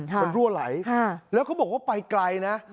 มันรั่วไหลแล้วเขาบอกว่าไปไกลนะ